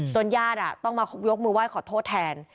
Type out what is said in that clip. ญาติต้องมายกมือไหว้ขอโทษแทน